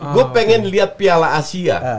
gue pengen lihat piala asia